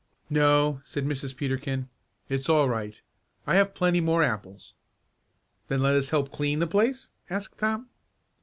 "No," said Mrs. Peterkin, "it's all right. I have plenty more apples." "Then let us help clean the place?" asked Tom.